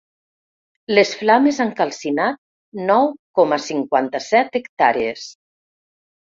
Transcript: Les flames han calcinat nou coma cinquanta-set hectàrees.